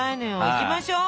いきましょう！